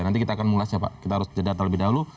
nanti kita akan mengulasnya pak kita harus jeda terlebih dahulu